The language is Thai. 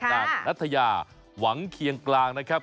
นางนัทยาหวังเคียงกลางนะครับ